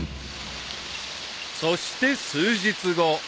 ［そして数日後］